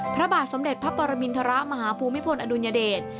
พระบาทสมเด็จพระปรมินทรมาฮภูมิพลอดุลยเดช